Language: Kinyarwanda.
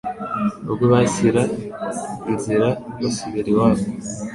Ubwo bashyira nzira basubira iwabo